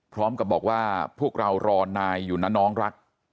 พร้อมกับบอกว่าพวกเรารอนายอยู่นะน้องรัก